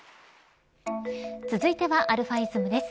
続いてはαｉｓｍです。